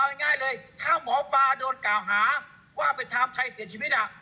ถ้าหมอปลาโดนกล่าวหาว่าไปทำใครเสียชีวิตอ่ะ